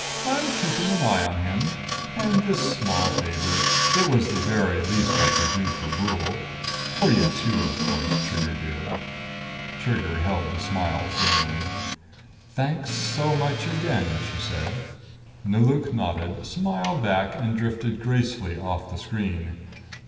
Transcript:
"I'm keeping an eye on him. And this small favor it was the very least I could do for Brule. For you, too, of course, Trigger dear." Trigger held the smile firmly. "Thanks so much, again!" she said. Nelauk nodded, smiled back and drifted gracefully off the screen.